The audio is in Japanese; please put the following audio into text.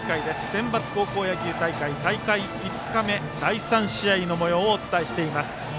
センバツ高校野球大会大会５日目第３試合のもようをお伝えしています。